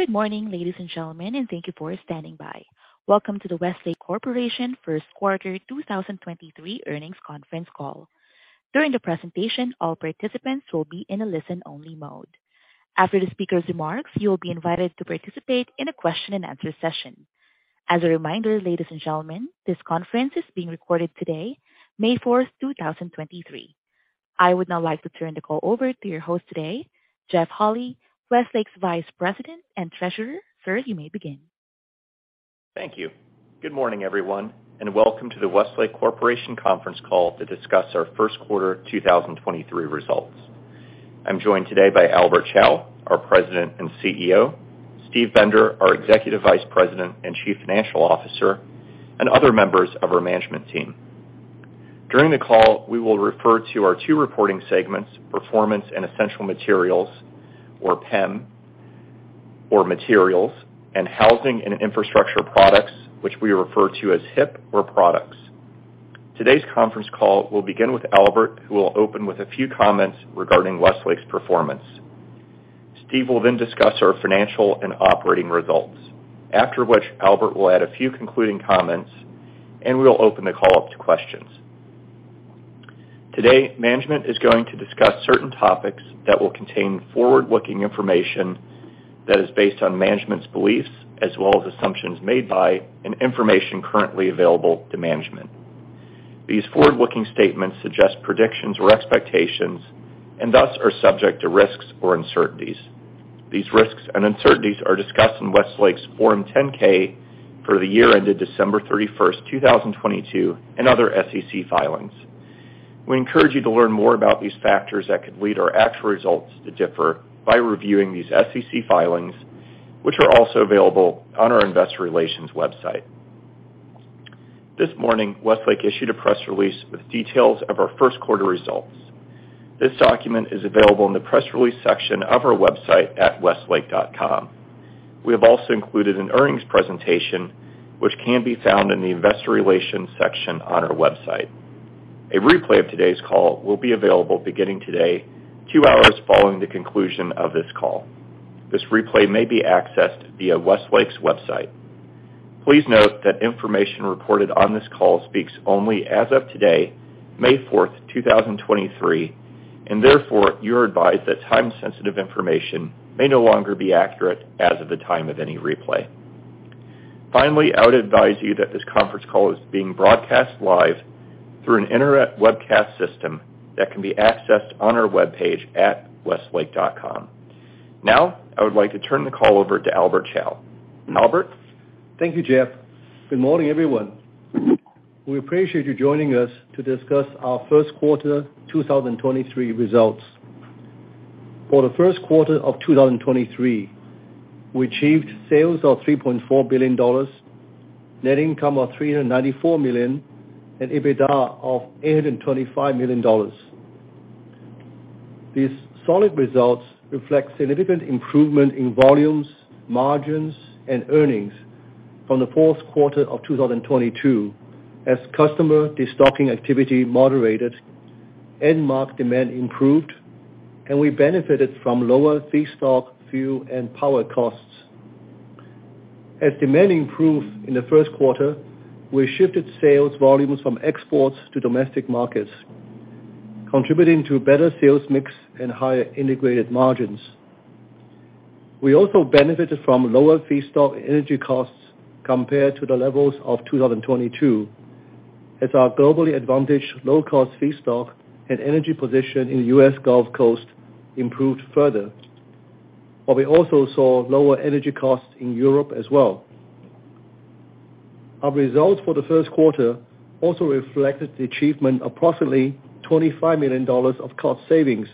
Good morning, ladies and gentlemen, thank you for standing by. Welcome to the Westlake Corporation First Quarter 2023 Earnings Conference Call. During the presentation, all participants will be in a listen-only mode. After the speaker's remarks, you will be invited to participate in a question-and-answer session. As a reminder, ladies and gentlemen, this conference is being recorded today, May 4, 2023. I would now like to turn the call over to your host today, Jeff Holy, Westlake's Vice President and Treasurer. Sir, you may begin. oThank you. Good morning, everyone, and welcome to the Westlake Corporation conference call to discuss our first quarter 2023 results. I'm joined today by Albert Chao, our President and CEO, Steve Bender, our Executive Vice President and Chief Financial Officer, and other members of our management team. During the call, we will refer to our two reporting segments, Performance and Essential Materials, or PEM, or Materials, and Housing and Infrastructure Products, which we refer to as HIP or Products. Today's conference call will begin with Albert, who will open with a few comments regarding Westlake's performance. Steve will then discuss our financial and operating results, after which Albert will add a few concluding comments, and we will open the call up to questions. Today, management is going to discuss certain topics that will contain forward-looking information that is based on management's beliefs as well as assumptions made by and information currently available to management. These forward-looking statements suggest predictions or expectations and thus are subject to risks or uncertainties. These risks and uncertainties are discussed in Westlake's Form 10-K for the year ended December 31, 2022, and other SEC filings. We encourage you to learn more about these factors that could lead our actual results to differ by reviewing these SEC filings, which are also available on our investor relations website. This morning, Westlake issued a press release with details of our first quarter results. This document is available in the press release section of our website at westlake.com. We have also included an earnings presentation, which can be found in the investor relations section on our website. A replay of today's call will be available beginning today, two hours following the conclusion of this call. This replay may be accessed via Westlake's website. Please note that information reported on this call speaks only as of today, May 4, 2023, and therefore you're advised that time-sensitive information may no longer be accurate as of the time of any replay. Finally, I would advise you that this conference call is being broadcast live through an internet webcast system that can be accessed on our webpage at westlake.com. Now, I would like to turn the call over to Albert Chao. Albert. Thank you, Jeff. Good morning, everyone. We appreciate you joining us to discuss our first quarter 2023 results. For the first quarter of 2023, we achieved sales of $3.4 billion, net income of $394 million, and EBITDA of $825 million. These solid results reflect significant improvement in volumes, margins, and earnings from the fourth quarter of 2022 as customer destocking activity moderated, end market demand improved, and we benefited from lower feedstock, fuel, and power costs. As demand improved in the first quarter, we shifted sales volumes from exports to domestic markets, contributing to better sales mix and higher integrated margins. We also benefited from lower feedstock energy costs compared to the levels of 2022 as our globally advantaged low-cost feedstock and energy position in the U.S. Gulf Coast improved further. We also saw lower energy costs in Europe as well. Our results for the first quarter also reflected the achievement of approximately $25 million of cost savings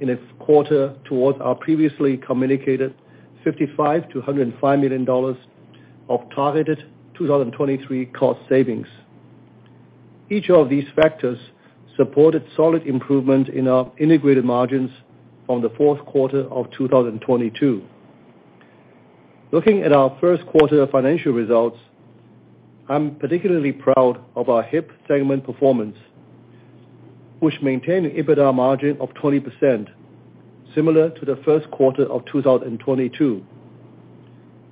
in its quarter towards our previously communicated $55 million-$105 million of targeted 2023 cost savings. Each of these factors supported solid improvement in our integrated margins from the fourth quarter of 2022. Looking at our first quarter financial results, I'm particularly proud of our HIP segment performance, which maintained an EBITDA margin of 20%, similar to the first quarter of 2022.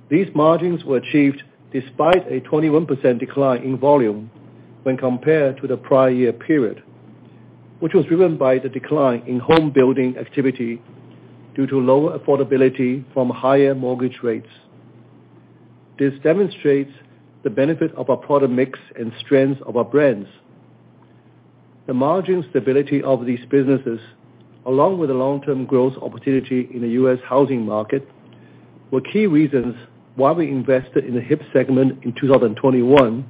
These margins were achieved despite a 21% decline in volume when compared to the prior year period, which was driven by the decline in home building activity due to lower affordability from higher mortgage rates. This demonstrates the benefit of our product mix and strength of our brands. The margin stability of these businesses, along with the long-term growth opportunity in the U.S. housing market, were key reasons why we invested in the HIP segment in 2021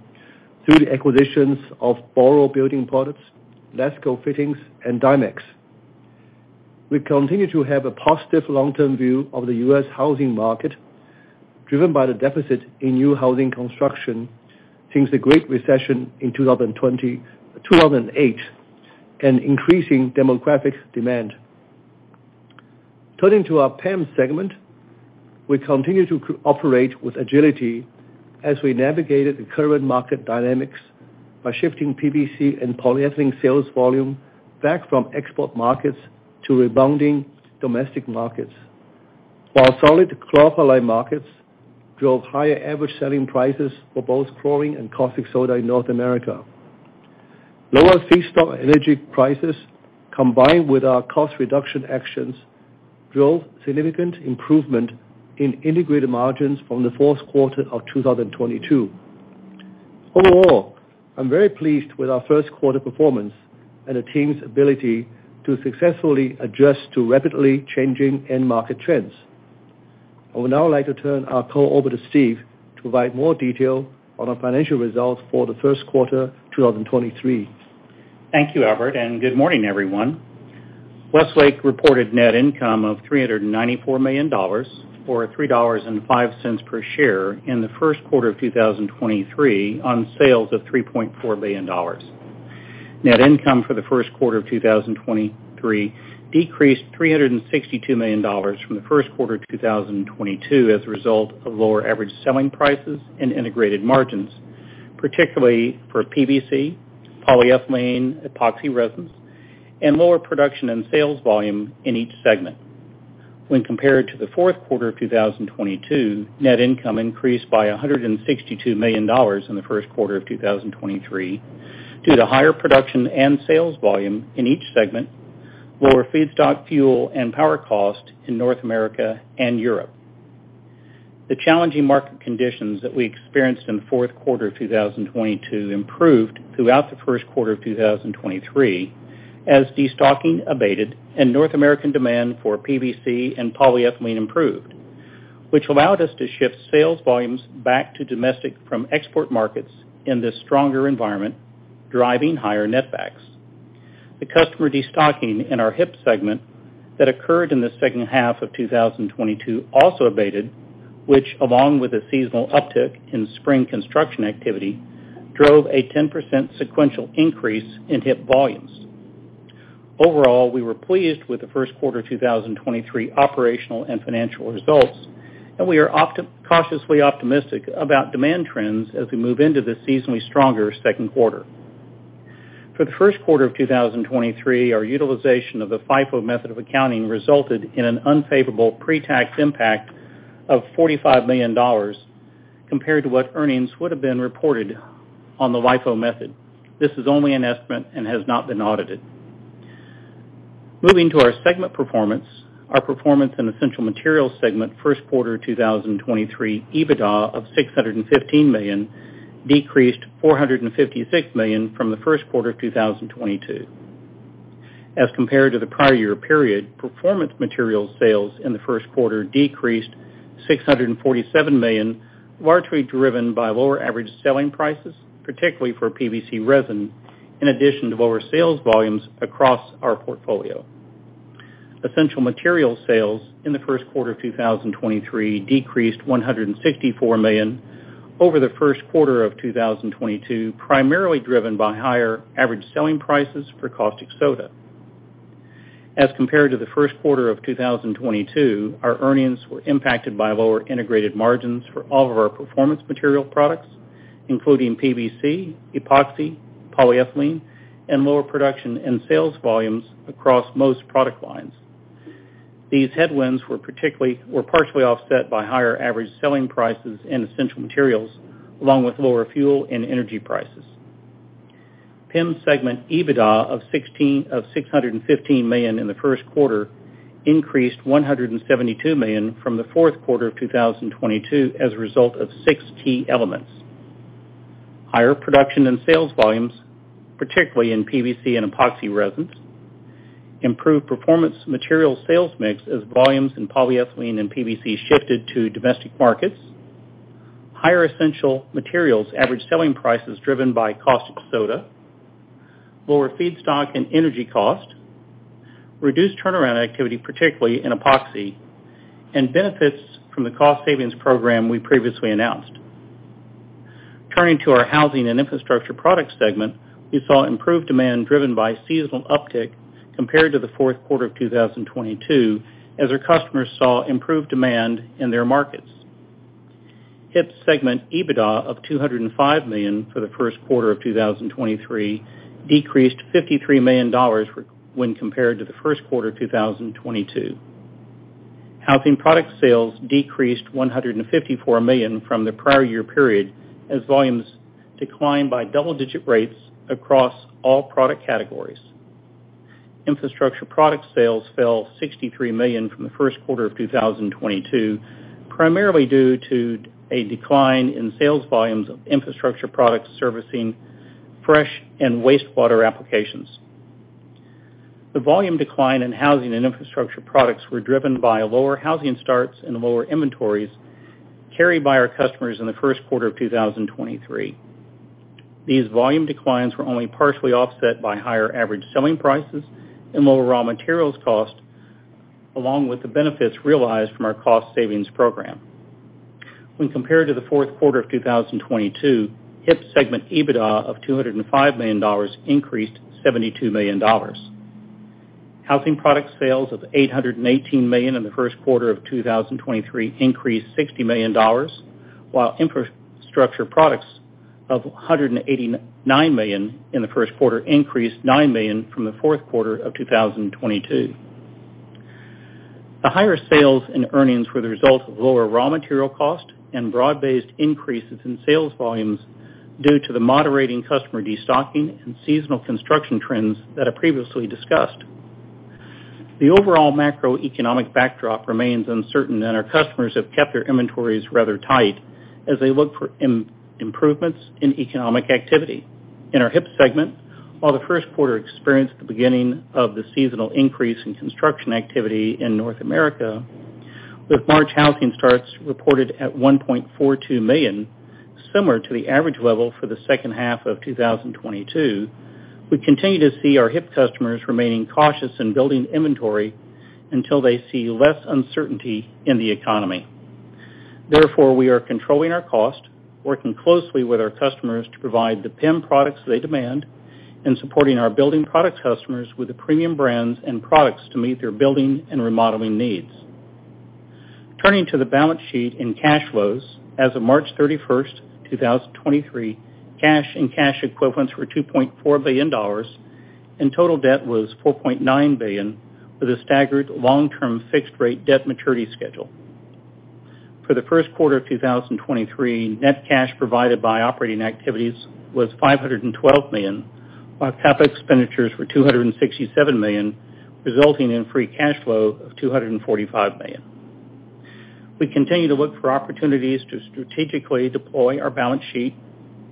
through the acquisitions of Boral Building Products, LASCO Fittings, and Dimex. We continue to have a positive long-term view of the U.S. housing market, driven by the deficit in new housing construction since the Great Recession in 2008, increasing demographic demand. Turning to our PEM segment, we continue to operate with agility as we navigated the current market dynamics. By shifting PVC and polyethylene sales volume back from export markets to rebounding domestic markets. Solid chlor-alkali markets drove higher average selling prices for both chlorine and caustic soda in North America. Lower feedstock energy prices, combined with our cost reduction actions, drove significant improvement in integrated margins from the fourth quarter of 2022. Overall, I'm very pleased with our first quarter performance and the team's ability to successfully adjust to rapidly changing end market trends. I would now like to turn our call over to Steve to provide more detail on our financial results for the first quarter 2023. Thank you, Albert. Good morning, everyone. Westlake reported net income of $394 million or $3.05 per share in the first quarter of 2023 on sales of $3.4 billion. Net income for the first quarter of 2023 decreased $362 million from the first quarter of 2022 as a result of lower average selling prices and integrated margins, particularly for PVC, polyethylene, epoxy resins, and lower production and sales volume in each segment. When compared to the fourth quarter of 2022, net income increased by $162 million in the first quarter of 2023 due to higher production and sales volume in each segment, lower feedstock fuel and power cost in North America and Europe. The challenging market conditions that we experienced in the fourth quarter of 2022 improved throughout the first quarter of 2023 as destocking abated and North American demand for PVC and polyethylene improved, which allowed us to shift sales volumes back to domestic from export markets in this stronger environment, driving higher net backs. The customer destocking in our HIP segment that occurred in the second half of 2022 also abated, which, along with a seasonal uptick in spring construction activity, drove a 10% sequential increase in HIP volumes. Overall, we were pleased with the first quarter 2023 operational and financial results, and we are cautiously optimistic about demand trends as we move into the seasonally stronger second quarter. For the first quarter of 2023, our utilization of the FIFO method of accounting resulted in an unfavorable pre-tax impact of $45 million compared to what earnings would have been reported on the LIFO method. This is only an estimate and has not been audited. Moving to our segment performance, our Performance and Essential Materials segment first quarter 2023, EBITDA of $615 million decreased $456 million from the first quarter of 2022. Compared to the prior year period, performance materials sales in the first quarter decreased $647 million, largely driven by lower average selling prices, particularly for PVC resin, in addition to lower sales volumes across our portfolio. Essential Materials sales in the first quarter of 2023 decreased $164 million over the first quarter of 2022, primarily driven by higher average selling prices for caustic soda. As compared to the first quarter of 2022, our earnings were impacted by lower integrated margins for all of our performance material products, including PVC, epoxy, polyethylene, and lower production and sales volumes across most product lines. These headwinds were partially offset by higher average selling prices in Essential Materials along with lower fuel and energy prices. PEM segment EBITDA of $615 million in the first quarter increased $172 million from the fourth quarter of 2022 as a result of six key elements: Higher production and sales volumes, particularly in PVC and epoxy resins. Improved performance material sales mix as volumes in polyethylene and PVC shifted to domestic markets. Higher essential materials average selling prices driven by caustic soda. Lower feedstock and energy cost. Reduced turnaround activity, particularly in epoxy, and benefits from the cost savings program we previously announced. Turning to our Housing and Infrastructure Products segment, we saw improved demand driven by seasonal uptick compared to the fourth quarter of 2022 as our customers saw improved demand in their markets. HIP's segment EBITDA of $205 million for the first quarter of 2023 decreased $53 million when compared to the first quarter of 2022. Housing product sales decreased $154 million from the prior year period as volumes declined by double-digit rates across all product categories. Infrastructure product sales fell $63 million from the first quarter of 2022, primarily due to a decline in sales volumes of infrastructure products servicing fresh and wastewater applications. The volume decline in Housing and Infrastructure Products were driven by lower housing starts and lower inventories carried by our customers in the first quarter of 2023. These volume declines were only partially offset by higher average selling prices and lower raw materials cost, along with the benefits realized from our cost savings program. When compared to the fourth quarter of 2022, HIP segment EBITDA of $205 million increased $72 million. Housing products sales of $818 million in the first quarter of 2023 increased $60 million, while infrastructure products of $189 million in the first quarter increased $9 million from the fourth quarter of 2022. The higher sales and earnings were the result of lower raw material cost and broad-based increases in sales volumes due to the moderating customer destocking and seasonal construction trends that I previously discussed. The overall macroeconomic backdrop remains uncertain, and our customers have kept their inventories rather tight as they look for improvements in economic activity. In our HIP segment, while the first quarter experienced the beginning of the seasonal increase in construction activity in North America, with March housing starts reported at $1.42 million, similar to the average level for the second half of 2022, we continue to see our HIP customers remaining cautious in building inventory until they see less uncertainty in the economy. We are controlling our cost, working closely with our customers to provide the PEM products they demand, and supporting our building product customers with the premium brands and products to meet their building and remodeling needs. Turning to the balance sheet and cash flows, as of March 31st, 2023, cash and cash equivalents were $2.4 billion, and total debt was $4.9 billion, with a staggered long-term fixed rate debt maturity schedule. For the first quarter of 2023, net cash provided by operating activities was $512 million, while CapEx expenditures were $267 million, resulting in free cash flow of $245 million. We continue to look for opportunities to strategically deploy our balance sheet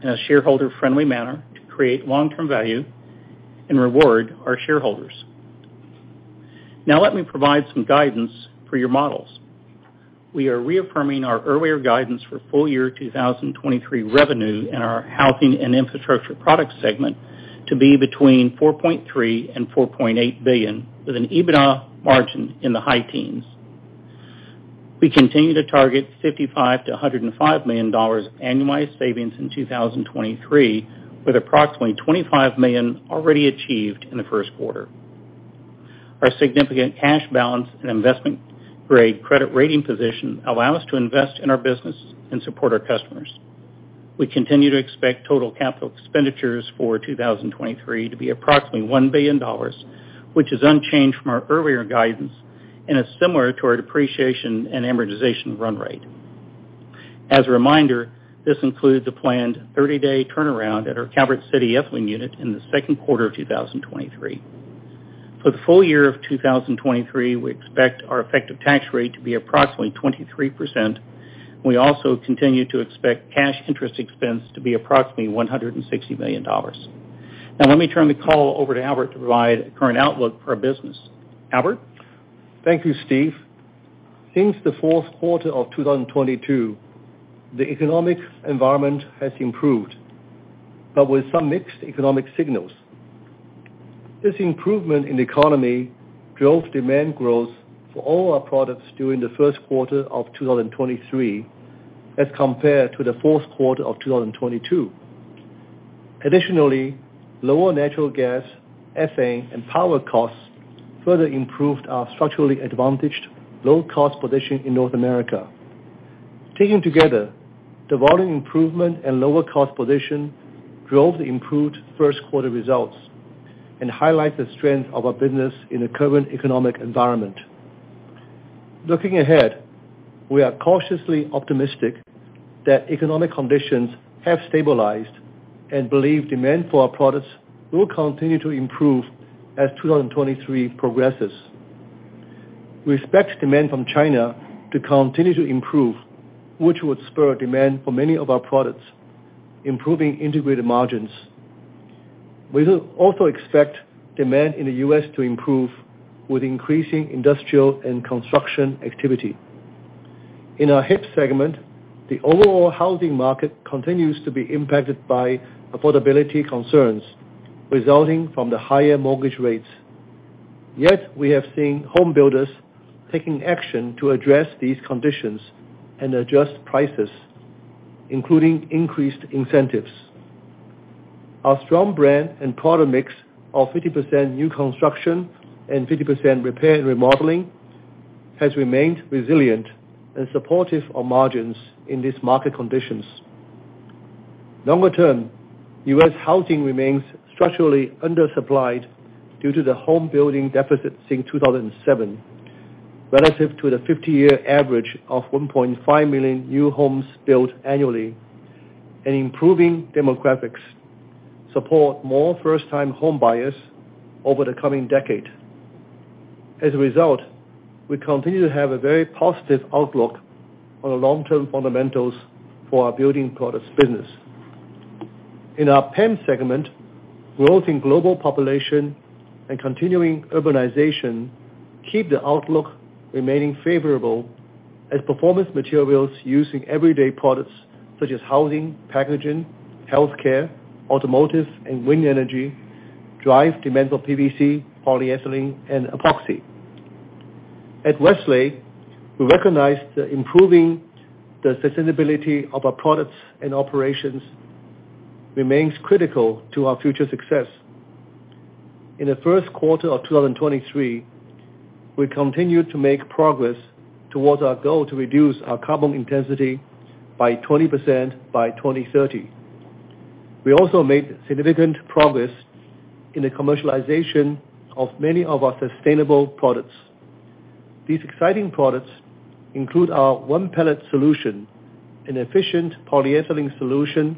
in a shareholder-friendly manner to create long-term value and reward our shareholders. Now, let me provide some guidance for your models. We are reaffirming our earlier guidance for full year 2023 revenue in our Housing and Infrastructure Products segment to be between $4.3 billion and $4.8 billion, with an EBITDA margin in the high teens. We continue to target $55 million-$105 million of annualized savings in 2023, with approximately $25 million already achieved in the first quarter. Our significant cash balance and investment-grade credit rating position allow us to invest in our business and support our customers. We continue to expect total CapEx for 2023 to be approximately $1 billion, which is unchanged from our earlier guidance and is similar to our depreciation and amortization run rate. As a reminder, this includes a planned 30-day turnaround at our Calvert City ethylene unit in the second quarter of 2023. For the full year of 2023, we expect our effective tax rate to be approximately 23%. We also continue to expect cash interest expense to be approximately $160 million. Let me turn the call over to Albert to provide current outlook for our business. Albert? Thank you, Steve. Since the fourth quarter of 2022, the economic environment has improved, but with some mixed economic signals. This improvement in the economy drove demand growth for all our products during the first quarter of 2023 as compared to the fourth quarter of 2022. Additionally, lower natural gas, ethane, and power costs further improved our structurally advantaged low cost position in North America. Taken together, the volume improvement and lower cost position drove the improved first quarter results and highlight the strength of our business in the current economic environment. Looking ahead, we are cautiously optimistic that economic conditions have stabilized and believe demand for our products will continue to improve as 2023 progresses. We expect demand from China to continue to improve, which would spur demand for many of our products, improving integrated margins. We also expect demand in the U.S. to improve with increasing industrial and construction activity. In our HIP segment, the overall housing market continues to be impacted by affordability concerns resulting from the higher mortgage rates. Yet we have seen home builders taking action to address these conditions and adjust prices, including increased incentives. Our strong brand and product mix of 50% new construction and 50% repair and remodeling has remained resilient and supportive of margins in these market conditions. Longer term, U.S. housing remains structurally undersupplied due to the home building deficit since 2007, relative to the 50-year average of 1.5 million new homes built annually, and improving demographics support more first-time home buyers over the coming decade. As a result, we continue to have a very positive outlook on the long-term fundamentals for our building products business. In our PEM segment, growth in global population and continuing urbanization keep the outlook remaining favorable as performance materials used in everyday products such as housing, packaging, healthcare, automotive, and wind energy drive demand for PVC, polyethylene, and epoxy. At Westlake, we recognize that improving the sustainability of our products and operations remains critical to our future success. In the first quarter of 2023, we continued to make progress towards our goal to reduce our carbon intensity by 20% by 2030. We also made significant progress in the commercialization of many of our sustainable products. These exciting products include our One-Pellet Solution, an efficient polyethylene solution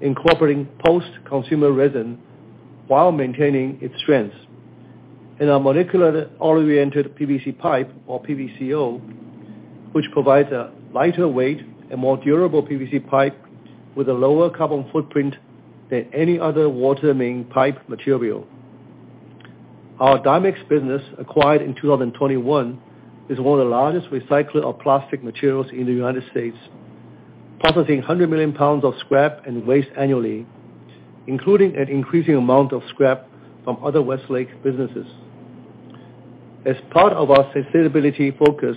incorporating post-consumer resin while maintaining its strength. In our molecularly oriented PVC pipe or PVCO, which provides a lighter weight and more durable PVC pipe with a lower carbon footprint than any other water main pipe material. Our Dimex business, acquired in 2021, is one of the largest recycler of plastic materials in the United States, processing 100 million pounds of scrap and waste annually, including an increasing amount of scrap from other Westlake businesses. As part of our sustainability focus,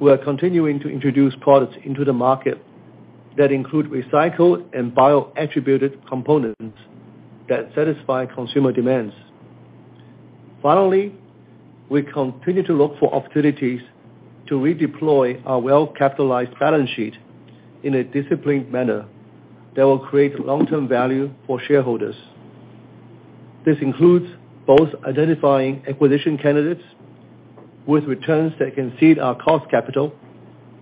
we are continuing to introduce products into the market that include recycled and bio-attributed components that satisfy consumer demands. Finally, we continue to look for opportunities to redeploy our well-capitalized balance sheet in a disciplined manner that will create long-term value for shareholders. This includes both identifying acquisition candidates with returns that can seed our cost capital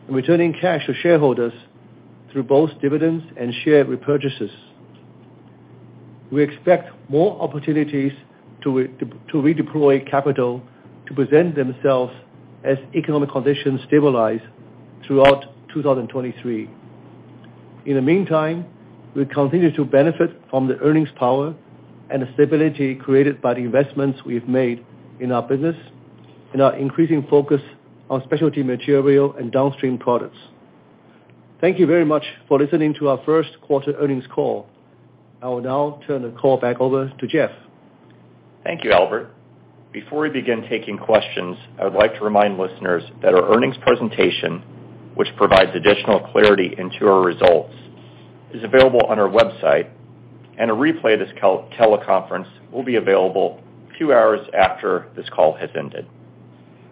and returning cash to shareholders through both dividends and share repurchases. We expect more opportunities to redeploy capital to present themselves as economic conditions stabilize throughout 2023. In the meantime, we continue to benefit from the earnings power and the stability created by the investments we have made in our business and our increasing focus on specialty material and downstream products. Thank you very much for listening to our first quarter earnings call. I will now turn the call back over to Jeff. Thank you, Albert. Before we begin taking questions, I would like to remind listeners that our earnings presentation, which provides additional clarity into our results, is available on our website, and a replay of this teleconference will be available a few hours after this call has ended.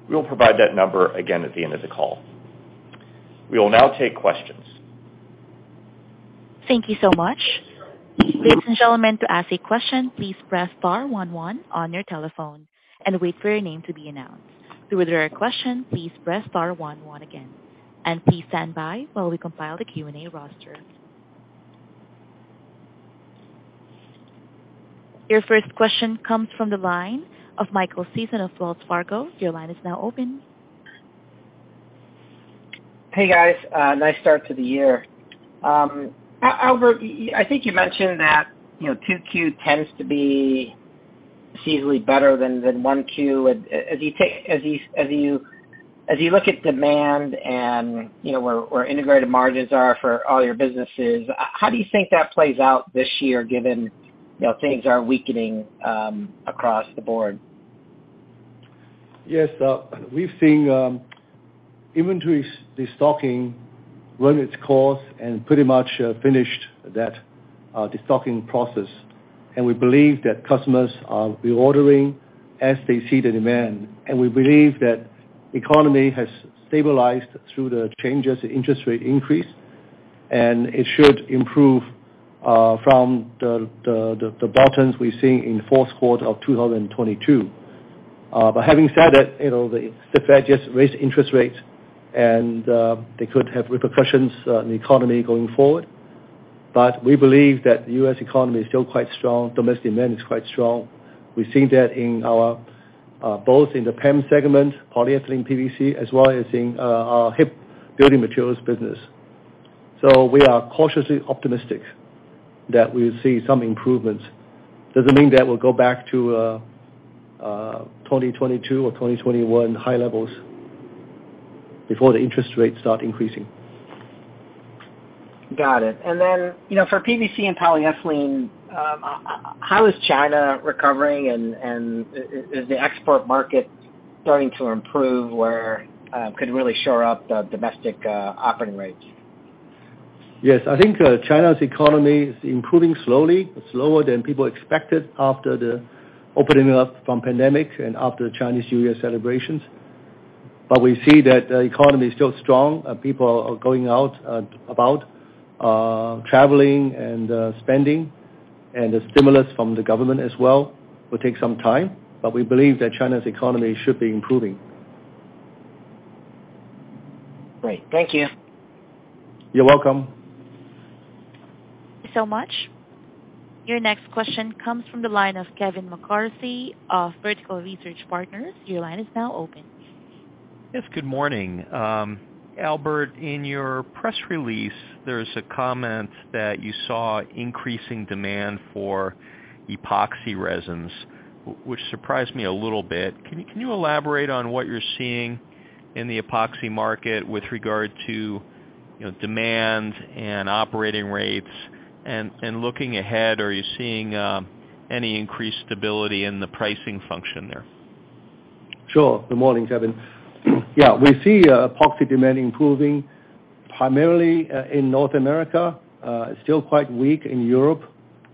We will provide that number again at the end of the call. We will now take questions. Thank you so much. Ladies and gentlemen, to ask a question, please press star one one on your telephone and wait for your name to be announced. To withdraw your question, please press star one one again, and please stand by while we compile the Q&A roster. Your first question comes from the line of Michael Sison of Wells Fargo. Your line is now open. Hey, guys. Nice start to the year. Albert, I think you mentioned that, you know, 2Q tends to be seasonally better than 1Q. As you look at demand and, you know, where integrated margins are for all your businesses, how do you think that plays out this year given, you know, things are weakening across the board? Yes. We've seen inventories destocking run its course and pretty much finished that destocking process. We believe that customers are reordering as they see the demand. We believe that economy has stabilized through the changes, the interest rate increase, and it should improve from the bottoms we're seeing in fourth quarter of 2022. Having said that, you know, the Fed just raised interest rates and they could have repercussions in the economy going forward. We believe that the U.S. economy is still quite strong. Domestic demand is quite strong. We've seen that in our both in the PEM segment, polyethylene PVC, as well as in our HIP building materials business. We are cautiously optimistic that we'll see some improvements. Doesn't mean that we'll go back to 2022 or 2021 high levels before the interest rates start increasing. Got it. You know, for PVC and polyethylene, how is China recovering? Is the export market starting to improve where could really shore up the domestic operating rates? Yes. I think China's economy is improving slowly, slower than people expected after the opening up from pandemic and after Chinese New Year celebrations. We see that the economy is still strong. People are going out, about, traveling and spending. The stimulus from the government as well will take some time, but we believe that China's economy should be improving. Great. Thank you. You're welcome. Thank you so much. Your next question comes from the line of Kevin McCarthy of Vertical Research Partners. Your line is now open. Yes, good morning. Albert, in your press release, there's a comment that you saw increasing demand for epoxy resins, which surprised me a little bit. Can you, can you elaborate on what you're seeing in the epoxy market with regard to you know, demand and operating rates. Looking ahead, are you seeing any increased stability in the pricing function there? Sure. Good morning, Kevin. Yeah, we see epoxy demand improving primarily in North America. It's still quite weak in Europe,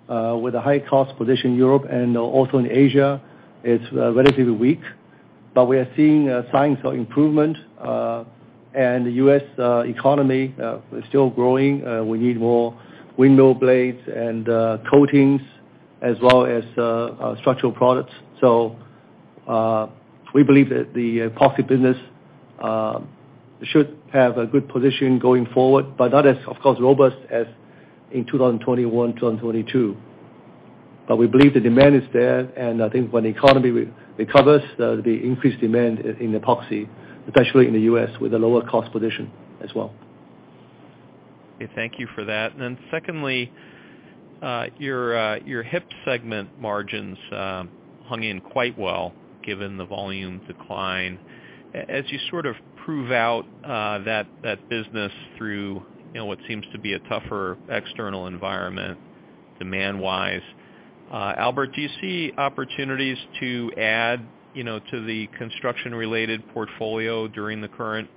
with a high-cost position in Europe and also in Asia, it's relatively weak. We are seeing signs of improvement, and the U.S. economy is still growing. We need more window blinds and coatings as well as structural products. We believe that the epoxy business should have a good position going forward, but not as, of course, robust as in 2021, 2022. We believe the demand is there, and I think when the economy recovers, there will be increased demand in epoxy, especially in the U.S., with a lower cost position as well. Okay, thank you for that. Secondly, your HIP segment margins hung in quite well given the volume decline. As you sort of prove out that business through, you know, what seems to be a tougher external environment demand-wise, Albert, do you see opportunities to add, you know, to the construction-related portfolio during the current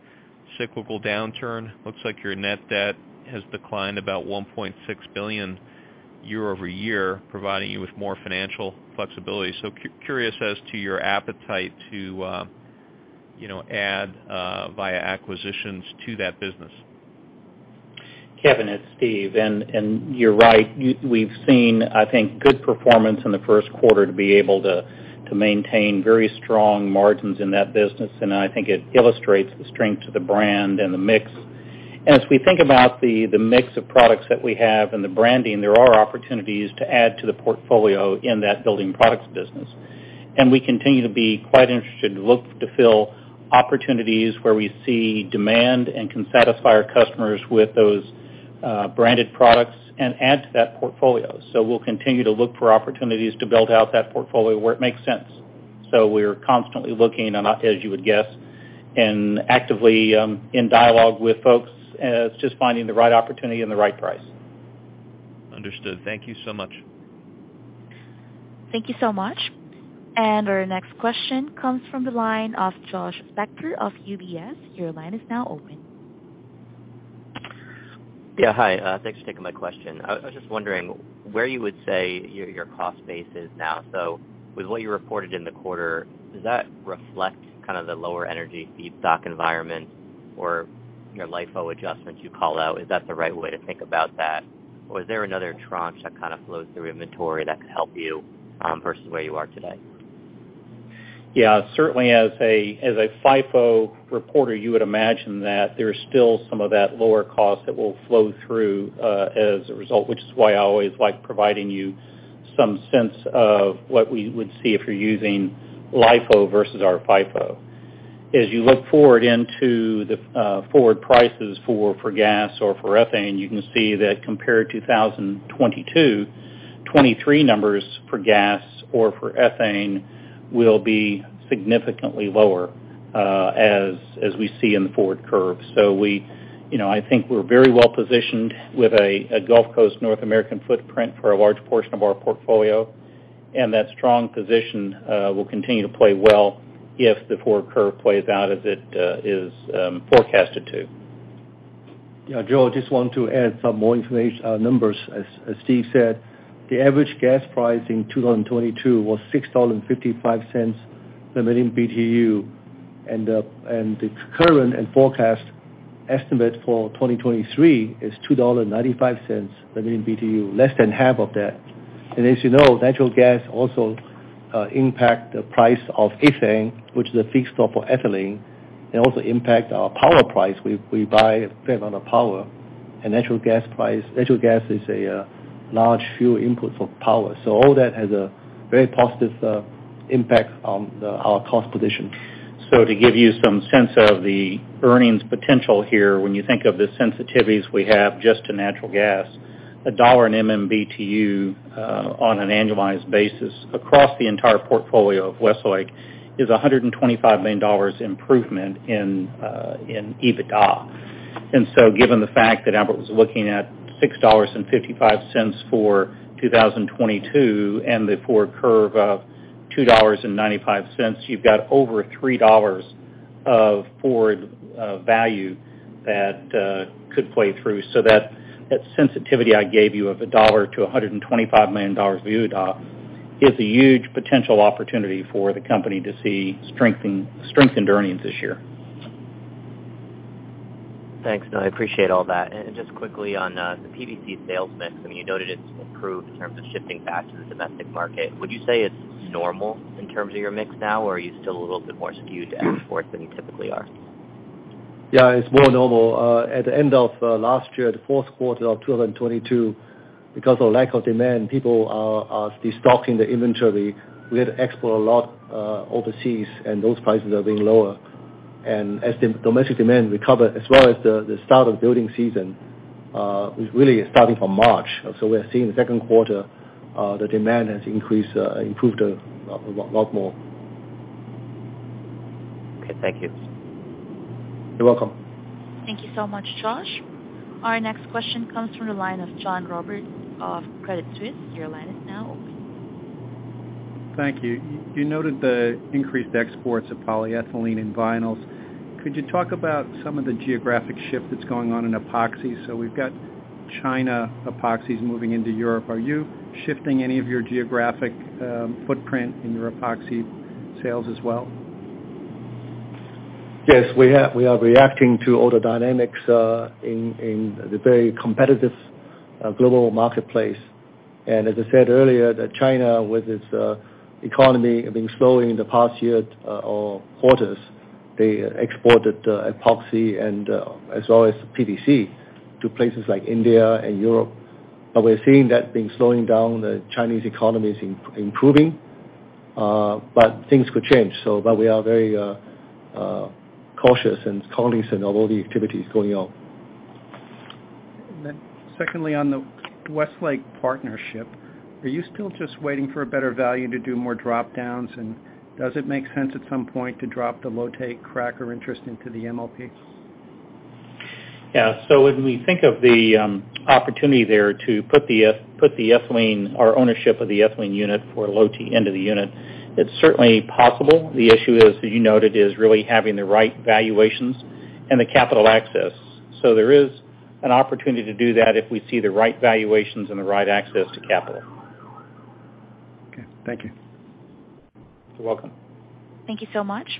cyclical downturn? Looks like your net debt has declined about $1.6 billion year-over-year, providing you with more financial flexibility. Curious as to your appetite to, you know, add via acquisitions to that business. Kevin, it's Steve. you're right. We've seen, I think, good performance in the first quarter to be able to maintain very strong margins in that business, and I think it illustrates the strength to the brand and the mix. As we think about the mix of products that we have and the branding, there are opportunities to add to the portfolio in that building products business. We continue to be quite interested to look to fill opportunities where we see demand and can satisfy our customers with those branded products and add to that portfolio. We'll continue to look for opportunities to build out that portfolio where it makes sense. We're constantly looking, and as you would guess, and actively in dialogue with folks. It's just finding the right opportunity and the right price. Understood. Thank you so much. Thank you so much. Our next question comes from the line of Josh Spector of UBS. Your line is now open. Hi. Thanks for taking my question. I was just wondering where you would say your cost base is now. With what you reported in the quarter, does that reflect kind of the lower energy feedstock environment or your LIFO adjustments you call out? Is that the right way to think about that? Is there another tranche that kind of flows through inventory that could help you versus where you are today? Yeah. Certainly as a FIFO reporter, you would imagine that there's still some of that lower cost that will flow through as a result, which is why I always like providing you some sense of what we would see if you're using LIFO versus our FIFO. As you look forward into the forward prices for gas or for ethane, you can see that compared to 2022, 2023 numbers for gas or for ethane will be significantly lower as we see in the forward curve. You know, I think we're very well positioned with a Gulf Coast North American footprint for a large portion of our portfolio, and that strong position will continue to play well if the forward curve plays out as it is forecasted to. Yeah. Josh, just want to add some more information, numbers. As Steve said, the average gas price in 2022 was $6.55 per MMBtu, the current and forecast estimate for 2023 is $2.95 per MMBtu, less than half of that. As you know, natural gas also impact the price of ethane, which is a feedstock for ethylene, and also impact our power price. We buy a fair amount of power. Natural gas price, natural gas is a large fuel input for power. All that has a very positive impact on our cost position. To give you some sense of the earnings potential here, when you think of the sensitivities we have just to natural gas, $1 in MMBtu on an annualized basis across the entire portfolio of Westlake is a $125 million improvement in EBITDA. Given the fact that Albert was looking at $6.55 for 2022 and the forward curve of $2.95, you've got over $3 of forward value that could play through. That, that sensitivity I gave you of $1 to $125 million of EBITDA is a huge potential opportunity for the company to see strengthened earnings this year. Thanks. No, I appreciate all that. Just quickly on the PVC sales mix, I mean, you noted it's improved in terms of shifting back to the domestic market. Would you say it's normal in terms of your mix now, or are you still a little bit more skewed to export than you typically are? Yeah, it's more normal. At the end of last year, the fourth quarter of 2022, because of lack of demand, people are destocking the inventory. We had to export a lot overseas, and those prices are being lower. As the domestic demand recover, as well as the start of building season, is really starting from March. We're seeing the second quarter, the demand has increased, improved a lot more. Okay, thank you. You're welcome. Thank you so much, Josh. Our next question comes from the line of John Roberts of Credit Suisse. Your line is now open. Thank you. You noted the increased exports of polyethylene and vinyls. Could you talk about some of the geographic shift that's going on in epoxy? We've got China epoxies moving into Europe. Are you shifting any of your geographic footprint in your epoxy sales as well? Yes. We are reacting to all the dynamics in the very competitive global marketplace. As I said earlier, that China, with its economy, have been slowing in the past year or quarters. They exported epoxy and as well as PVC to places like India and Europe. We're seeing that being slowing down. The Chinese economy is improving, but things could change. We are very cautious and cognizant of all the activities going on. Secondly, on the Westlake partnership, are you still just waiting for a better value to do more drop-downs? Does it make sense at some point to drop the Lotte cracker interest into the MLP? Yeah. When we think of the opportunity there to put the ethylene or ownership of the ethylene unit for a Lotte end of the unit, it's certainly possible. The issue is, as you noted, is really having the right valuations and the capital access. There is an opportunity to do that if we see the right valuations and the right access to capital. Okay, thank you. You're welcome. Thank you so much.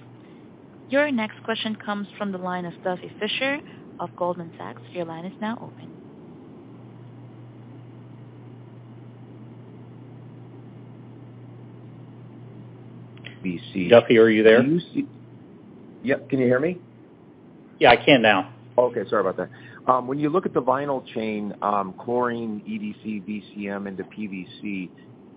Your next question comes from the line of Duffy Fischer of Goldman Sachs. Your line is now open. Duffy, are you there? Yep. Can you hear me? Yeah, I can now. Okay, sorry about that. When you look at the vinyl chain, chlorine EDC, VCM into PVC,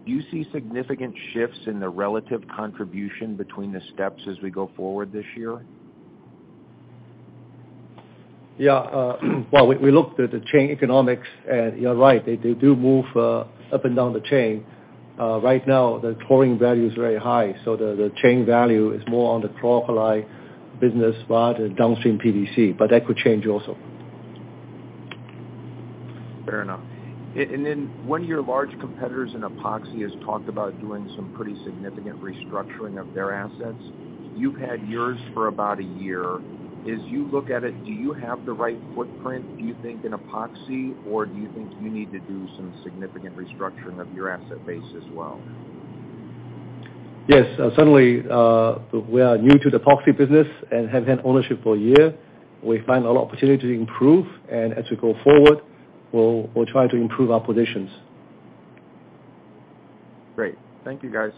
do you see significant shifts in the relative contribution between the steps as we go forward this year? Yeah. Well, we looked at the chain economics, and you're right, they do move up and down the chain. Right now, the chlorine value is very high, so the chain value is more on the chlor-alkali business rather than downstream PVC, but that could change also. Fair enough. One of your large competitors in Epoxy has talked about doing some pretty significant restructuring of their assets. You've had yours for about a year. As you look at it, do you have the right footprint, do you think, in Epoxy, or do you think you need to do some significant restructuring of your asset base as well? Yes. Certainly, we are new to the epoxy business and have had ownership for a year. We find a lot of opportunity to improve. As we go forward, we'll try to improve our positions. Great. Thank you, guys.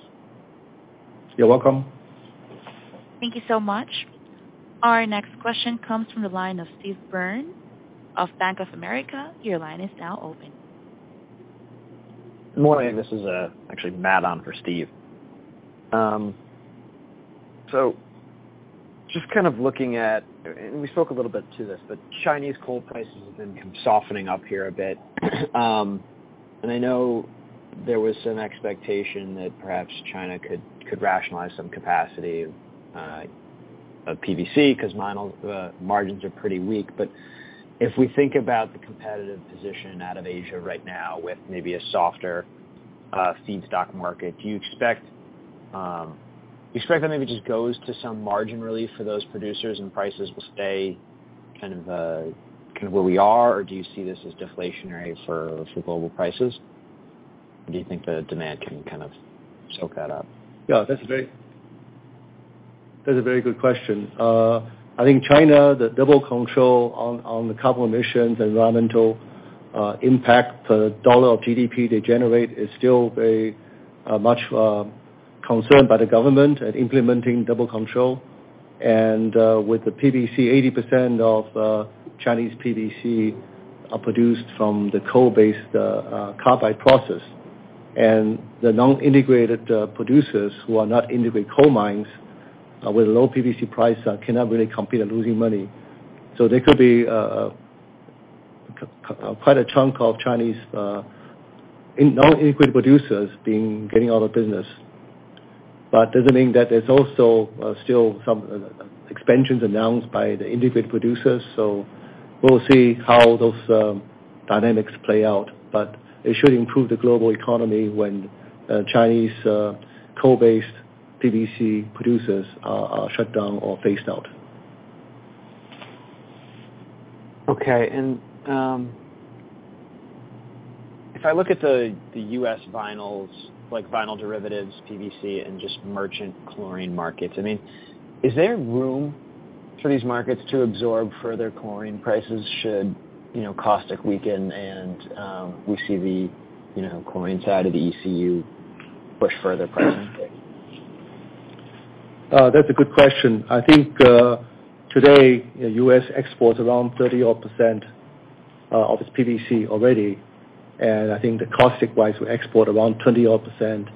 You're welcome. Thank you so much. Our next question comes from the line of Steve Byrne of Bank of America. Your line is now open. Morning. This is, actually Matthew on for Steve Byrne. We spoke a little bit to this, but Chinese coal prices have been kind of softening up here a bit. I know there was some expectation that perhaps China could rationalize some capacity of PVC 'cause carbide margins are pretty weak. If we think about the competitive position out of Asia right now with maybe a softer feedstock market, do you expect that maybe just goes to some margin relief for those producers and prices will stay kind of where we are, or do you see this as deflationary for global prices? Do you think the demand can kind of soak that up? Yeah, that's a very good question. I think China, the dual control on the carbon emissions, environmental impact per dollar of GDP they generate is still very much concerned by the government at implementing dual control. With the PVC, 80% of Chinese PVC are produced from the coal-based carbide process. The non-integrated producers who are not integrated coal mines with low PVC price cannot really compete at losing money. There could be quite a chunk of Chinese non-integrated producers getting out of business. Doesn't mean that there's also still some expansions announced by the integrated producers. We'll see how those dynamics play out. It should improve the global economy when Chinese coal-based PVC producers are shut down or phased out. Okay. If I look at the U.S. vinyls, like vinyl derivatives, PVC, and just merchant chlorine markets, I mean, is there room for these markets to absorb further chlorine prices should, you know, caustic weaken and we see the, you know, chlorine side of the ECU push further pricing? That's a good question. I think today, U.S. exports around 30 odd percent of its PVC already. I think the caustic wise will export around 20 odd percent.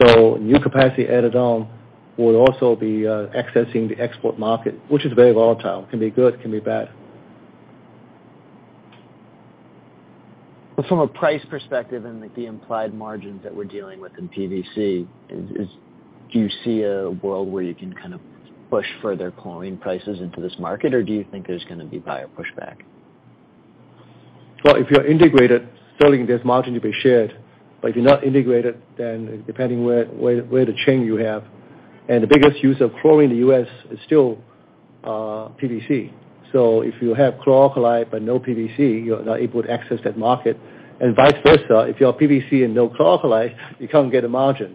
New capacity added on will also be accessing the export market, which is very volatile. Can be good, can be bad. From a price perspective and like the implied margins that we're dealing with in PVC, do you see a world where you can kind of push further chlorine prices into this market, or do you think there's gonna be buyer pushback? If you're integrated, certainly there's margin to be shared. If you're not integrated, then depending where the chain you have, and the biggest use of chlorine in the U.S. is still PVC. If you have chlor-alkali but no PVC, you're not able to access that market. Vice versa, if you have PVC and no chlor-alkali, you can't get a margin.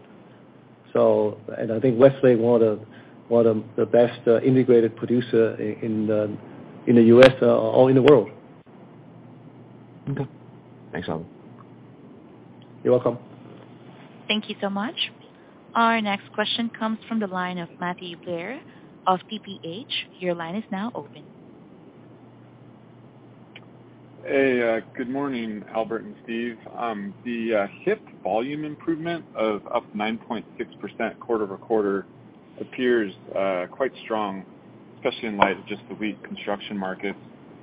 I think Westlake one of the best integrated producer in the U.S. or in the world. Okay. Thanks, Albert. You're welcome. Thank you so much. Our next question comes from the line of Matthew Blair of TPH. Your line is now open. Hey, good morning, Albert and Steve. The HIP volume improvement of up 9.6% quarter-over-quarter appears quite strong, especially in light of just the weak construction markets.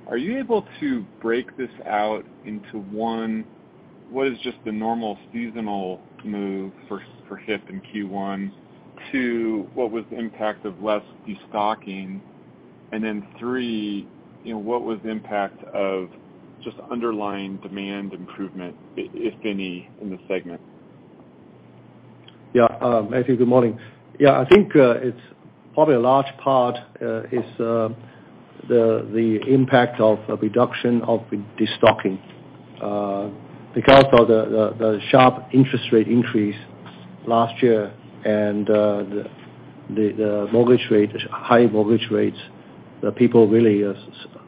Are you able to break this out into, one, what is just the normal seasonal move for HIP in Q1? two, what was the impact of less destocking? three, you know, what was the impact of just underlying demand improvement, if any, in the segment? Matthew, good morning. I think it's probably a large part is the impact of a reduction of destocking. Because of the sharp interest rate increase last year and the mortgage rate, high mortgage rates, people really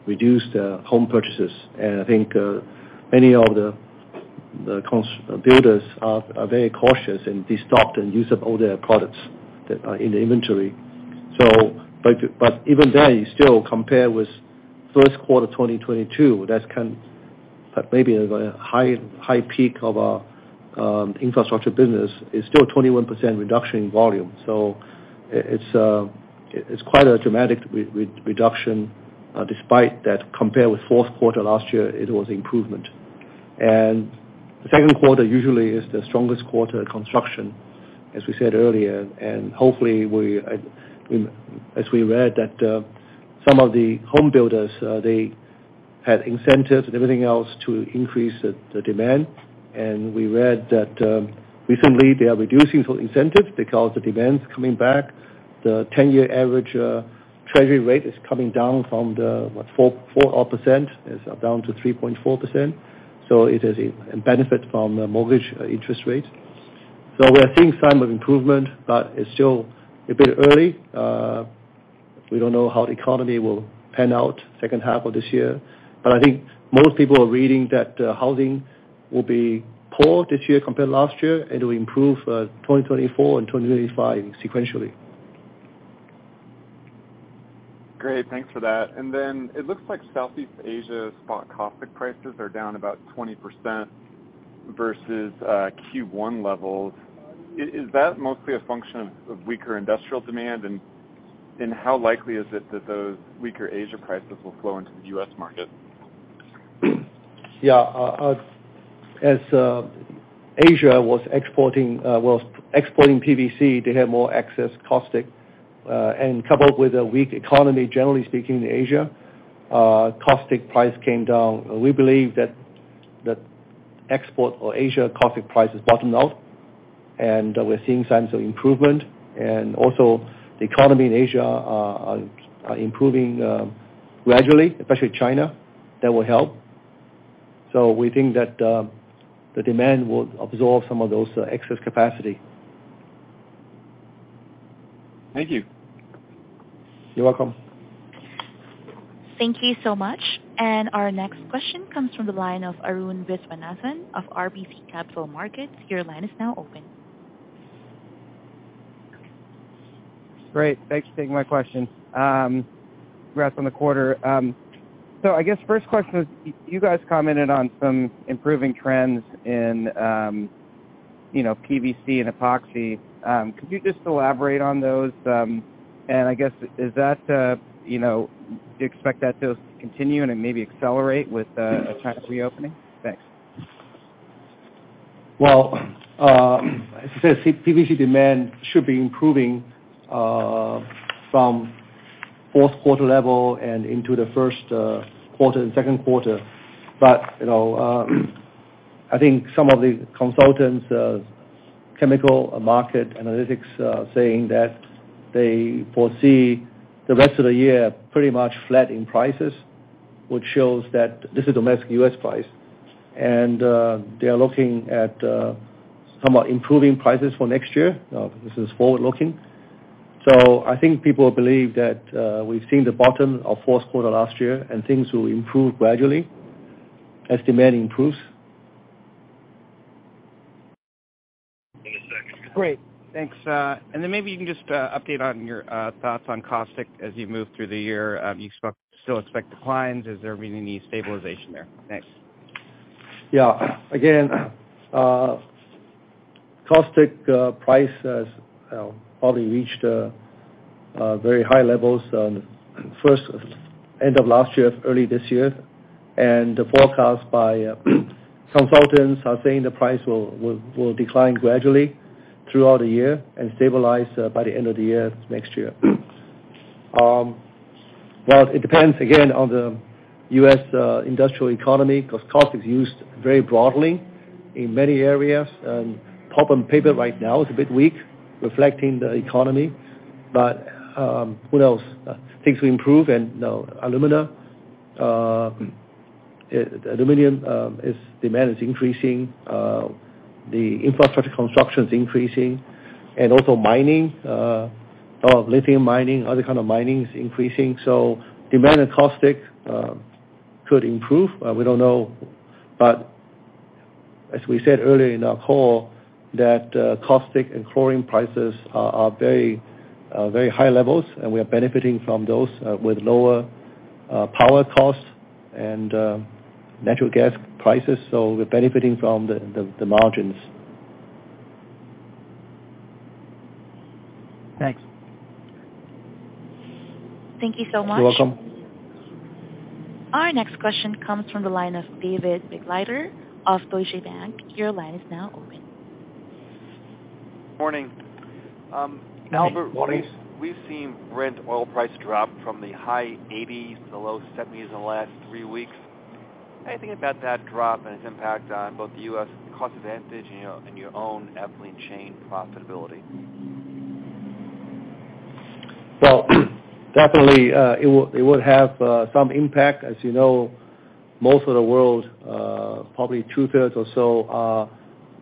reduced home purchases. I think many of the builders are very cautious and destocked and used up all their products that are in the inventory. Even then, you still compare with first quarter 2022, that's kind... Maybe a high peak of our infrastructure business is still 21% reduction in volume. It's quite a dramatic reduction despite that compared with fourth quarter last year, it was improvement. The second quarter usually is the strongest quarter construction, as we said earlier. Hopefully we as we read that, some of the home builders, they had incentives and everything else to increase the demand. We read that recently they are reducing some incentives because the demand's coming back. The 10-year average treasury rate is coming down from the four odd percent. It's down to 3.4%. It is a benefit from the mortgage interest rate. We are seeing some improvement, but it's still a bit early. We don't know how the economy will pan out second half of this year. I think most people are reading that housing will be poor this year compared to last year, it will improve 2024 and 2025 sequentially. Great. Thanks for that. It looks like Southeast Asia spot caustic prices are down about 20% versus Q1 levels. Is that mostly a function of weaker industrial demand? How likely is it that those weaker Asia prices will flow into the U.S. market? As Asia was exporting PVC to have more excess caustic, coupled with a weak economy, generally speaking, in Asia, caustic price came down. We believe that export or Asia caustic price has bottomed out. We're seeing signs of improvement. Also the economy in Asia are improving gradually, especially China. That will help. We think that the demand will absorb some of those excess capacity. Thank you. You're welcome. Thank you so much. Our next question comes from the line of Arun Viswanathan of RBC Capital Markets. Your line is now open. Great. Thanks for taking my question. Congrats on the quarter. I guess first question is you guys commented on some improving trends in, you know, PVC and epoxy. Could you just elaborate on those? I guess, is that, you know, do you expect that to continue and then maybe accelerate with China reopening? Thanks. Well, PVC demand should be improving from fourth quarter level and into the first quarter and second quarter. You know, I think some of the consultants, Chemical Market Analytics, are saying that they foresee the rest of the year pretty much flat in prices, which shows that this is domestic U.S. price. They are looking at somewhat improving prices for next year. This is forward looking. I think people believe that we've seen the bottom of fourth quarter last year, and things will improve gradually as demand improves. Great. Thanks. Maybe you can just update on your thoughts on caustic as you move through the year. You still expect declines. Is there really any stabilization there? Thanks. Yeah. Again, Caustic price has probably reached very high levels on first end of last year, early this year. The forecast by consultants are saying the price will decline gradually throughout the year and stabilize by the end of the year next year. Well, it depends again on the U.S. industrial economy, because caustic is used very broadly in many areas. Pulp and paper right now is a bit weak, reflecting the economy. Who knows, things will improve. You know, alumina, aluminium is demand is increasing, the infrastructure construction is increasing. Also mining, or lithium mining, other kind of mining is increasing. Demand in caustic could improve. We don't know. As we said earlier in our call, that, caustic and chlorine prices are very high levels, and we are benefiting from those, with lower power costs and natural gas prices. We're benefiting from the margins. Thanks. Thank you so much. You're welcome. Our next question comes from the line of David Begleiter of Deutsche Bank. Your line is now open. Morning. Morning. Albert, we've seen Brent oil price drop from the high 80s to the low 70s in the last three weeks. How you think about that drop and its impact on both the U.S. cost advantage and your own ethylene chain profitability? Well, definitely, it would have some impact. As you know, most of the world, probably two-thirds or so are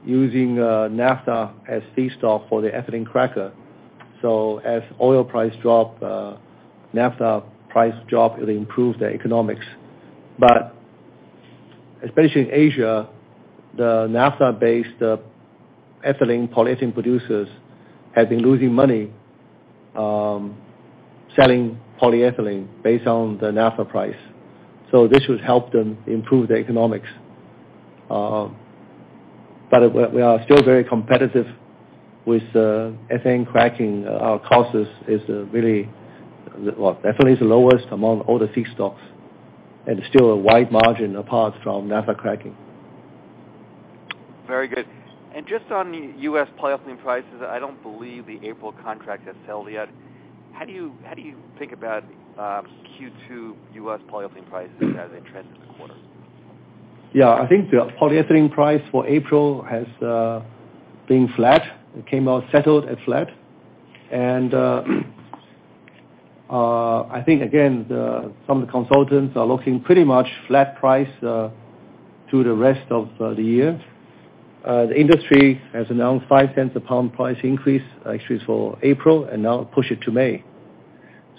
using naphtha as feedstock for the ethylene cracker. As oil price drop, naphtha price drop, it improves the economics. Especially in Asia, the naphtha-based ethylene, polyethylene producers have been losing money selling polyethylene based on the naphtha price. This should help them improve the economics. We are still very competitive with ethane cracking. Our cost is really, well, definitely is the lowest among all the feedstocks, and still a wide margin apart from naphtha cracking. Very good. Just on U.S. polyethylene prices, I don't believe the April contract has settled yet. How do you think about Q2 U.S. polyethylene prices as they trend through the quarter? Yeah. I think the polyethylene price for April has been flat. It came out settled at flat. I think again, some of the consultants are looking pretty much flat price through the rest of the year. The industry has announced five cents a pound price increase, actually it's for April, and now push it to May.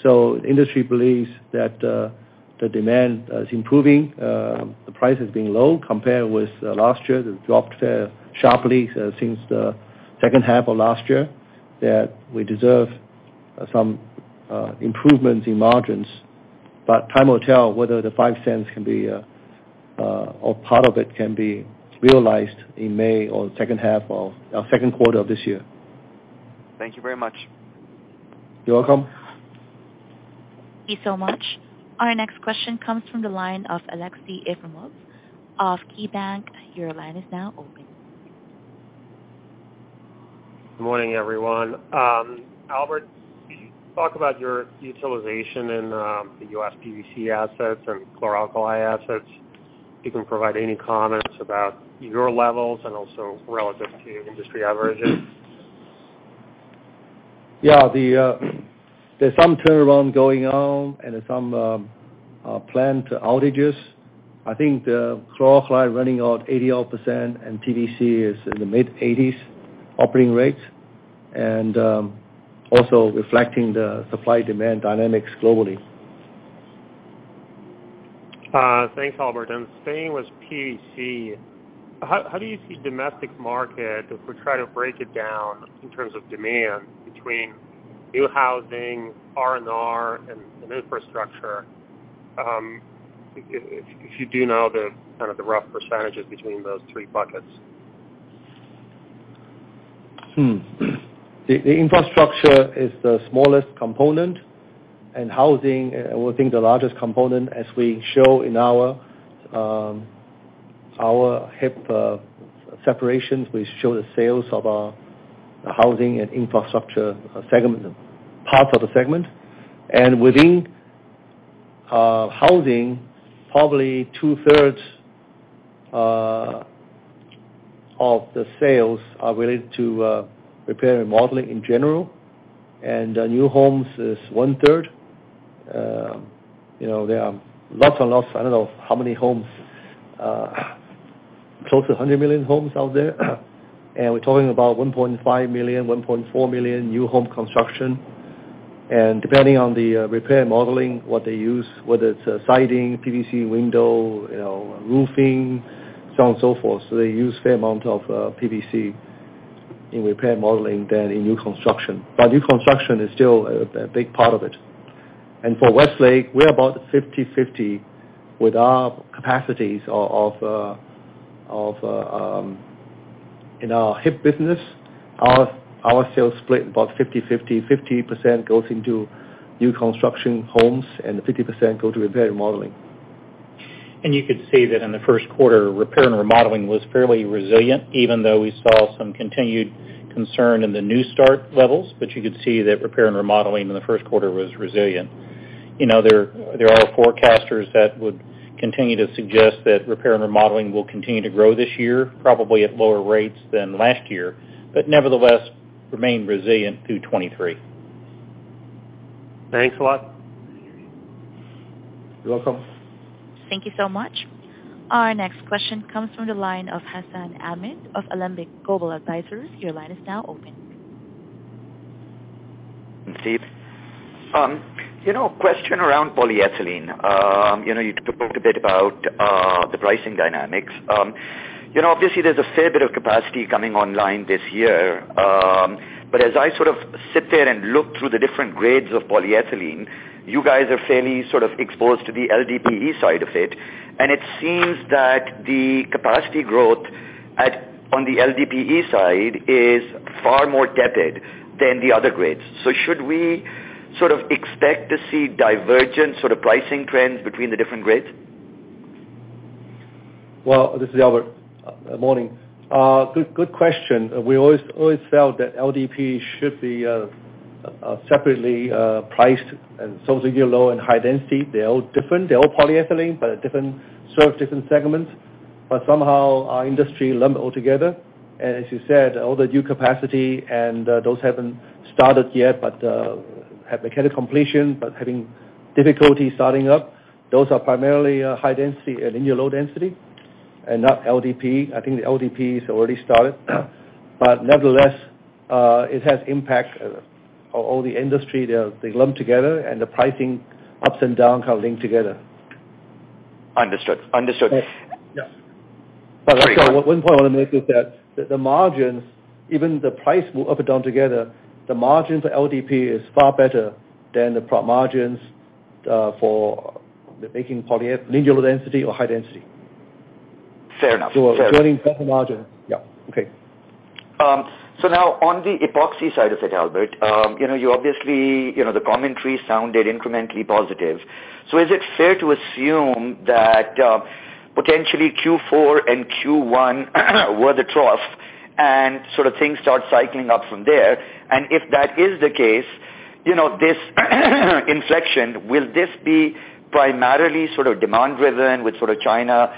Industry believes that the demand is improving. The price has been low compared with last year. It dropped sharply since the second half of last year, that we deserve some improvements in margins. Time will tell whether the five cents can be or part of it can be realized in May or second quarter of this year. Thank you very much. You're welcome. Thank you so much. Our next question comes from the line of Aleksey Yefremov of KeyBank. Your line is now open. Good morning, everyone. Albert, can you talk about your utilization in the U.S. PVC assets and chlor-alkali assets? If you can provide any comments about your levels and also relative to industry averages? The, there's some turnaround going on and some plant outages. I think the chlor-alkali running on 80% and PVC is in the mid-80s operating rates, and also reflecting the supply-demand dynamics globally. Thanks, Albert. Staying with PVC, how do you see domestic market if we try to break it down in terms of demand between new housing, R&R and infrastructure? If you do know the kind of the rough percentages between those three buckets? The infrastructure is the smallest component, and housing, I would think the largest component, as we show in our HIP separations. We show the sales of the housing and infrastructure segment, part of the segment. Within housing, probably two-thirds of the sales are related to repair and modeling in general. New homes is one third. You know, there are lots and lots, I don't know how many homes, close to 100 million homes out there. We're talking about 1.5 million, 1.4 million new home construction. Depending on the repair and modeling, what they use, whether it's siding, PVC window, you know, roofing, so on and so forth. They use fair amount of PVC in repair and modeling than in new construction. New construction is still a big part of it. For Westlake, we're about 50/50 with our capacities of in our HIP business. Our sales split about 50/50% goes into new construction homes and 50% go to repair and remodeling. You could see that in the first quarter, repair and remodeling was fairly resilient, even though we saw some continued concern in the new start levels. You could see that repair and remodeling in the first quarter was resilient. You know, there are forecasters that would continue to suggest that repair and remodeling will continue to grow this year, probably at lower rates than last year, but nevertheless remain resilient through 2023. Thanks a lot. You're welcome. Thank you so much. Our next question comes from the line of Hassan Ahmed of Alembic Global Advisors. Your line is now open. Steve, you know, question around polyethylene. You know, you talked a bit about the pricing dynamics. You know, obviously there's a fair bit of capacity coming online this year. As I sort of sit there and look through the different grades of polyethylene, you guys are fairly sort of exposed to the LDPE side of it. It seems that the capacity growth on the LDPE side is far more debted than the other grades. Should we sort of expect to see divergent sort of pricing trends between the different grades? This is Albert. Morning. Good question. We always felt that LDPE should be separately priced. As you get low and high density, they're all different, they're all polyethylene, but serve different segments. Somehow our industry lump all together. As you said, all the new capacity and those haven't started yet, but have mechanical completion, but having difficulty starting up. Those are primarily high density and linear low density and not LDPE. I think the LDPEs already started. Nevertheless, it has impact on all the industry. They lump together, and the pricing ups and downs are linked together. Understood. Understood. One point I want to make is that the margins, even the price move up and down together, the margin for LDPE is far better than the margins for making linear low density or high density. Fair enough. Fair enough. Earning better margin. Yeah. Okay. Now on the epoxy side of it, Albert, you know, you obviously, you know, the commentary sounded incrementally positive. Is it fair to assume that potentially Q4 and Q1 were the trough and sort of things start cycling up from there? If that is the case, you know, this inflection, will this be primarily sort of demand-driven with sort of China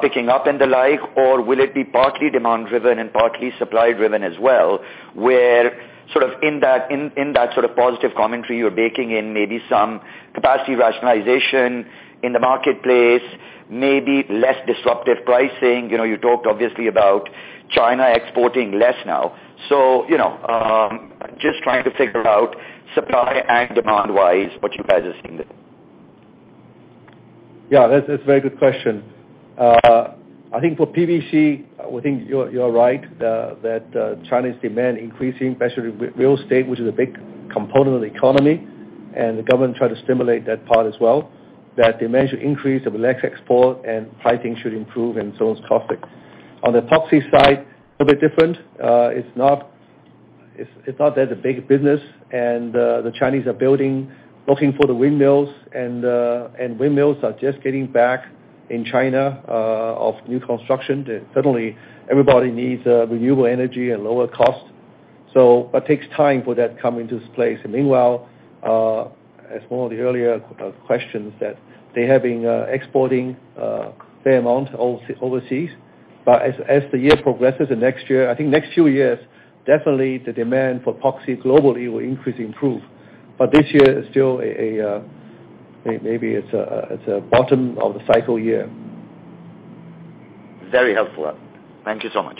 picking up and the like, or will it be partly demand-driven and partly supply-driven as well? Where sort of in that, in that sort of positive commentary you're baking in maybe some capacity rationalization in the marketplace, maybe less disruptive pricing. You know, you talked obviously about China exporting less now. You know, just trying to figure out supply and demand wise, what you guys are seeing there. Yeah, that's a very good question. I think for PVC, we think you're right, that China's demand increasing, especially with real estate, which is a big component of the economy, and the government try to stimulate that part as well, that demand should increase, a less export and pricing should improve and so is profit. On the epoxy side, a bit different. It's not as a big business. The Chinese are building, looking for the windmills, and windmills are just getting back in China of new construction. Certainly, everybody needs renewable energy at lower cost. Takes time for that come into place. Meanwhile, as one of the earlier questions that they have been exporting fair amount overseas. As the year progresses and next year, I think next two years, definitely the demand for epoxy globally will increase, improve. This year is still a, maybe it's a bottom of the cycle year. Very helpful. Thank you so much.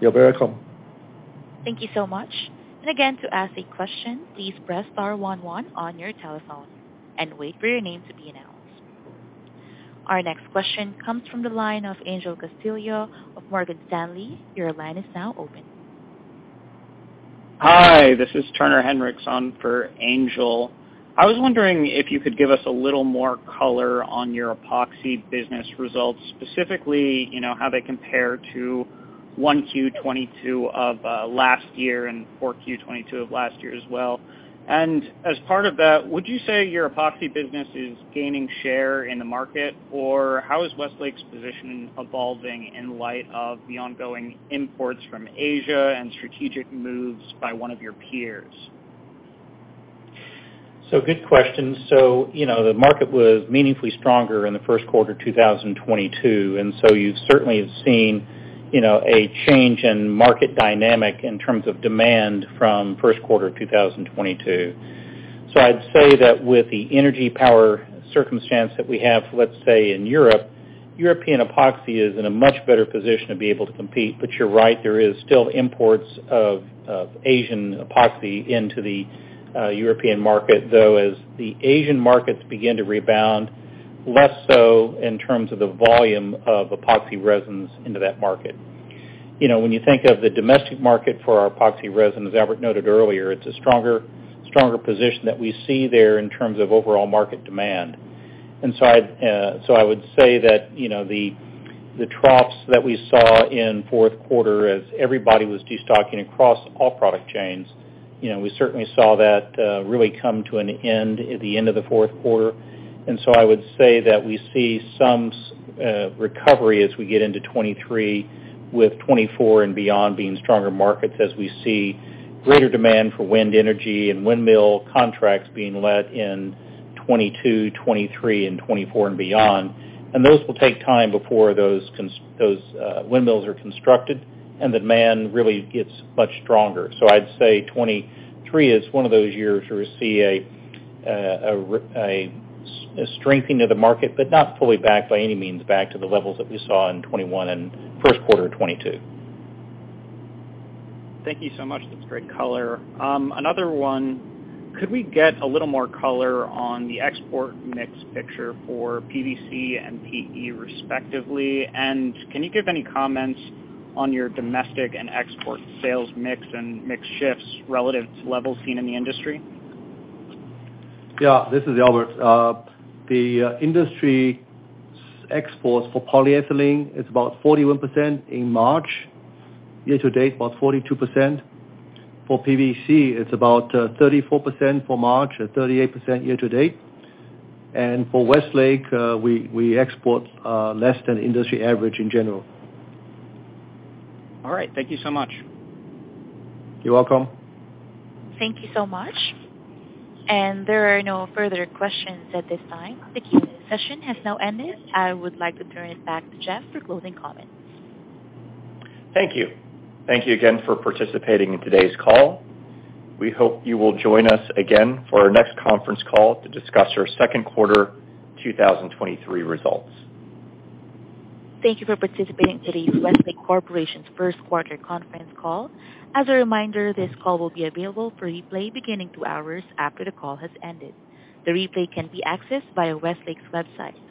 You're very welcome. Thank you so much. Again, to ask a question, please press star one one on your telephone and wait for your name to be announced. Our next question comes from the line of Angel Castillo of Morgan Stanley. Your line is now open. Hi, this is Turner Hinrichs on for Angel. I was wondering if you could give us a little more color on your epoxy business results, specifically, you know, how they compare to 1Q 2022 of last year and 4Q 2022 of last year as well. As part of that, would you say your epoxy business is gaining share in the market? How is Westlake's positioning evolving in light of the ongoing imports from Asia and strategic moves by one of your peers? Good question. You know, the market was meaningfully stronger in the first quarter 2022. You certainly have seen, you know, a change in market dynamic in terms of demand from first quarter of 2022. I'd say that with the energy power circumstance that we have, let's say in Europe, European epoxy is in a much better position to be able to compete. You're right, there is still imports of Asian epoxy into the European market, though, as the Asian markets begin to rebound, less so in terms of the volume of epoxy resins into that market. You know, when you think of the domestic market for our epoxy resin, as Albert noted earlier, it's a stronger position that we see there in terms of overall market demand. So I would say that, you know, the troughs that we saw in fourth quarter as everybody was destocking across all product chains, you know, we certainly saw that really come to an end at the end of the fourth quarter. I would say that we see some recovery as we get into 2023, with 2024 and beyond being stronger markets as we see greater demand for wind energy and windmill contracts being let in 2022, 2023, and 2024 and beyond. Those will take time before those windmills are constructed and demand really gets much stronger. I'd say 2023 is one of those years where we see a strengthening of the market, but not fully back by any means back to the levels that we saw in 2021 and first quarter of 2022. Thank you so much. That's great color. another one. Could we get a little more color on the export mix picture for PVC and PE respectively? Can you give any comments on your domestic and export sales mix and mix shifts relative to levels seen in the industry? This is Albert. The industry exports for polyethylene is about 41% in March. Year to date, about 42%. For PVC, it's about 34% for March and 38% year to date. For Westlake, we export less than industry average in general. All right. Thank you so much. You're welcome. Thank you so much. There are no further questions at this time. The QA session has now ended. I would like to turn it back to Jeff for closing comments. Thank you. Thank you again for participating in today's call. We hope you will join us again for our next conference call to discuss our second quarter 2023 results. Thank you for participating today's Westlake Corporation's first quarter conference call. As a reminder, this call will be available for replay beginning two hours after the call has ended. The replay can be accessed via Westlake's website. Goodbye.